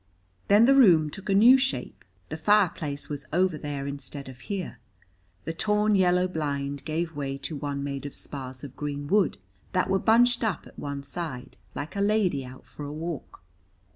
Then the room took a new shape. The fireplace was over there instead of here, the torn yellow blind gave way to one made of spars of green wood, that were bunched up at one side, like a lady out for a walk.